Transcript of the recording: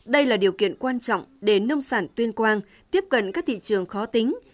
đây là điều kiện quan trọng để nông sản tuyên quang tiếp cận các thị trường khó tính